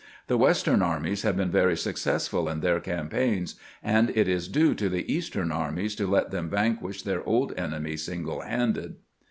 The Western armies have been very successful in their campaigns, and it is due to the Eastern armies to let them vanquish their old enemy single handed."